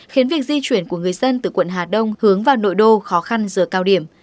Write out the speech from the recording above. khiến việc di chuyển của người dân từ quận hà đông hướng vào nội đô khó khăn giờ cao điểm